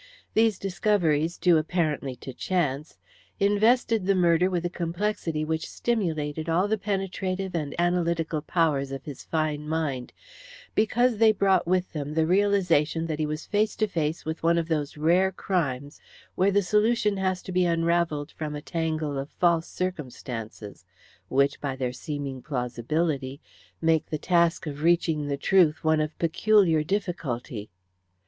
These discoveries, due apparently to chance, invested the murder with a complexity which stimulated all the penetrative and analytical powers of his fine mind, because they brought with them the realization that he was face to face with one of those rare crimes where the solution has to be unravelled from a tangle of false circumstances, which, by their seeming plausibility, make the task of reaching the truth one of peculiar difficulty.